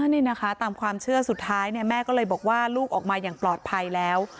นี่นะคะตามความเชื่อสุดท้ายแม่ก็เลยบอกว่าลูกออกมาอย่างปลอดภัยแล้ว